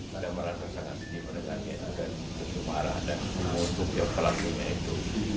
saya merasa sangat sedih mendengarnya dan bersumarah dan mengutuk yang telah diingat itu